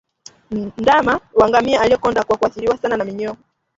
Ndama wa ngamia aliyekonda kwa kuathiriwa sana na minyooo